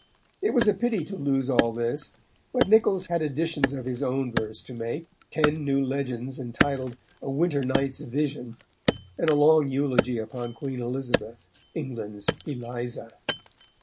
It was a pity to lose all this, but Niccols had additions of his own verse to make; ten new legends entitled "A Winter Night's Vision," and a long eulogy upon Queen Elizabeth, "England's Eliza."